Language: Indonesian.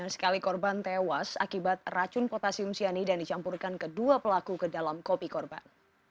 sekali korban tewas akibat racun potasium cyanida yang dicampurkan kedua pelaku ke dalam kopi korban